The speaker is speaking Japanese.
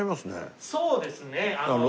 そうですねあの。